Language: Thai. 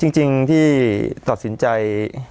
จริงที่ตัดสินใจ